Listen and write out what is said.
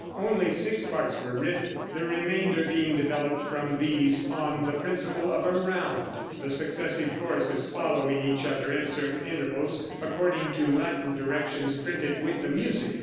Only six parts were written, the remainder being developed from these on the principle of a round, the successive choruses following each other at certain intervals, according to Latin directions printed with the music.